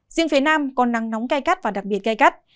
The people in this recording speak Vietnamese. riêng phía nam có nắng nóng gai gắt và đặc biệt gai gắt